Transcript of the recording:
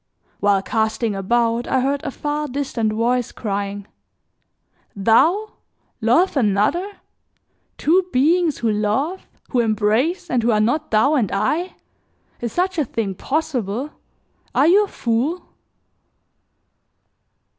While casting about I heard a far distant voice crying: "Thou, love another? Two beings who love, who embrace, and who are not thou and I! Is such a thing possible? Are you a fool?"